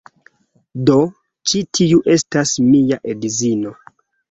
Do, ĉi tiu estas mia edzino.